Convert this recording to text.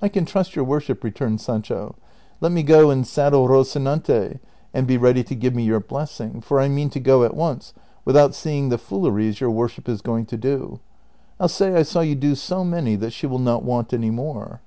"lean trust your worship," returned Sancho; "let me go and saddle Rocinante, and be ready to give me your blessing, for I mean to go at once without seeing the fooleries your worship is going to do ; I '11 say I saw you do so many that she will not want any more."